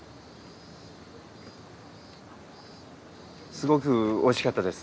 すごくおいしかったです。